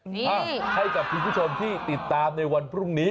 ให้กับคุณผู้ชมที่ติดตามในวันพรุ่งนี้